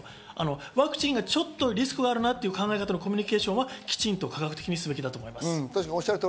ワクチンがちょっとリスクがあるなという考え方のコミュニケーションは科学的にすべきだと思います。